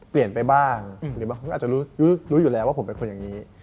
เปลี่ยนไปบ้างหรือบางคนอาจจะรู้อยู่แล้วว่าผมเป็นคนอย่างนี้